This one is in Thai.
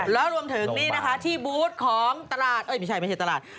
แล้วรวมถึงนี่นะคะที่บูธของตลาดเอ้ยไม่ใช่ไม่ใช่ตลาด